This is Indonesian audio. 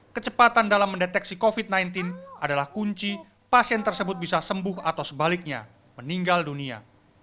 kecepatan dalam mendeteksi covid sembilan belas adalah kunci pasien tersebut bisa sembuh atau sebaliknya meninggal dunia